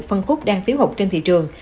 phân khúc đang phiếu hụt trên thị trường